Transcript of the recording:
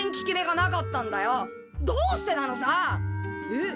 えっ？